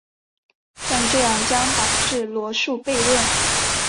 但这样将导致罗素悖论。